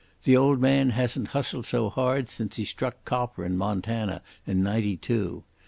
This old man hasn't hustled so hard since he struck copper in Montana in '92.